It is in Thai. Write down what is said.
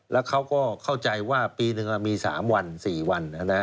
แล้วเขาก็เข้าใจว่าปีหนึ่งมี๓วัน๔วัน